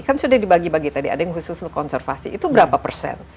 kan sudah dibagi bagi tadi ada yang khusus untuk konservasi itu berapa persen